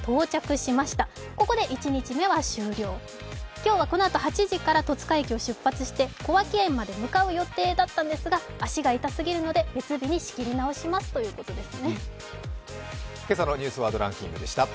今日はこのあと戸塚駅を出発して小涌園まで向かう予定だったんですが、足が痛すぎるので、別日に仕切り直しますということです。